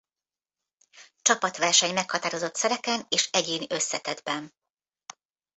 Csapatverseny meghatározott szereken és egyéni összetettben.